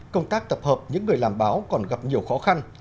công tác tập hợp những người làm báo còn gặp nhiều khó khăn